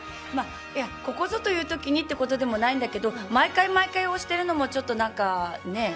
ここぞという時にというわけでもないんだけど毎回毎回押してるのもちょっと何かね。